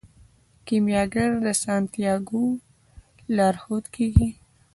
کیمیاګر د سانتیاګو لارښود کیږي.